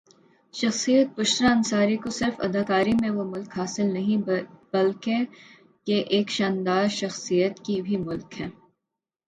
شخصیت بشریٰ انصاری کو سرف اداکاری میں وہ ملک حاصل نہیں بال کی یہ ایک شاندرشخصیات کی بھی ملک ہیں